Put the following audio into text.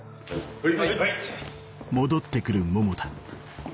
はい。